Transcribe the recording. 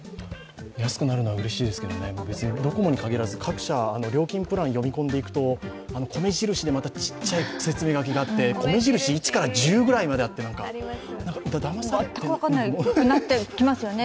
安くなるのはうれしいですけどね、ドコモに限らず各社、料金プランを読み込んでいくと米印でちっちゃい説明があって米印１から１０ぐらいまであってだまされた感じが全くわかんなくなってきちゃいますよね。